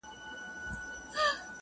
• خواږه یاران وه پیالې د مُلو -